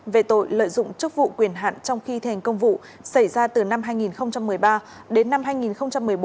về tội lợi dụng chức vụ quyền hạn trong khi thành công vụ xảy ra từ năm hai nghìn một mươi ba đến năm hai nghìn một mươi bốn